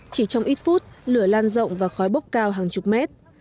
chỉ trong ít phút lửa lan rộng và khói bốc cao hàng chục mét